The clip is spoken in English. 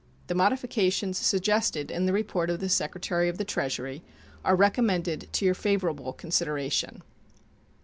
The modifications suggested in the report of the Secretary of the Treasury are recommended to your favorable consideration.